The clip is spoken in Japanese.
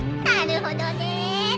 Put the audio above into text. なるほどね。